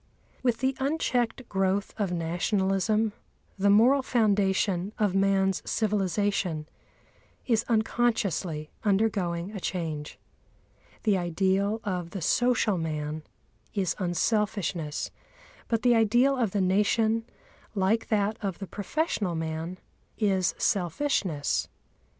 With the unchecked growth of Nationalism the moral foundation of man's civilisation is unconsciously undergoing a change. The ideal of the social man is unselfishness, but the ideal of the Nation, like that of the professional man, is selfishness.